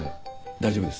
大丈夫です